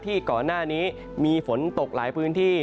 ก่อนหน้านี้มีฝนตกหลายพื้นที่